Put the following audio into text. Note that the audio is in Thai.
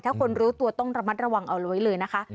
ถ้าคนรู้ตัวต้องระมัดระวังเอาไว้เลยนะคะ